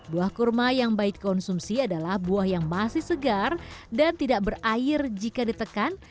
buah kurma yang baik dikonsumsi adalah buah yang masih segar dan tidak berair jika ditekan